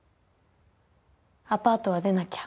アパートは出なきゃ。